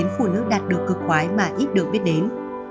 phụ nữ đạt được cực khoái mà ít được biết đến